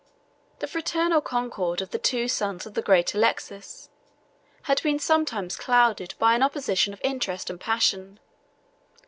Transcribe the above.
The fraternal concord of the two sons of the great Alexius had been sometimes clouded by an opposition of interest and passion.